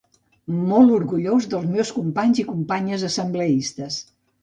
Molt orgullós dels meus companys i companyes assembleistes.